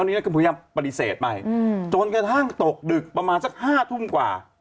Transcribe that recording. ตอนนี้ผมยังปฏิเสธไปจนกระทั่งตกดึกประมาณสักห้าทุ่มกว่า